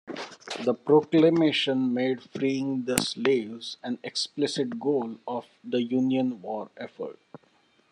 The Proclamation made freeing the slaves an explicit goal of the Union war effort.